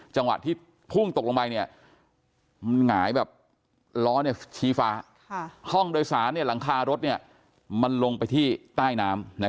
จังหวะที่พุ่งตกลงไปมันหงายแบบล้อชี้ฟ้าห้องโดยสารหลังคารถมันลงไปที่ใต้น้ำ